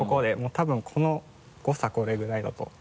多分誤差これぐらいだと。